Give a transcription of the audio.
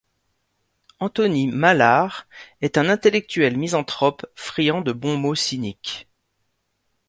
Anthony Mallare est un intellectuel misanthrope, friand de bons mots cyniques.